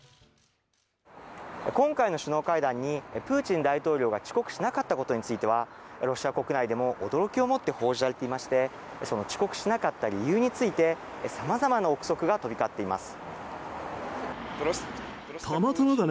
今回の首脳会談にプーチン大統領が遅刻しなかったことについてはロシア国内でも驚きをもって報じられていましてその遅刻しなかった理由についてさまざまな憶測が飛び交っています。